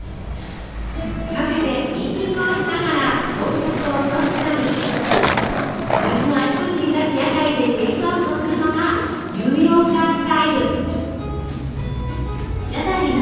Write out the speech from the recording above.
カフェでミーティングをしながら朝食をとったり街のあちこちに立つ屋台でテイクアウトするのがニューヨーカースタイル。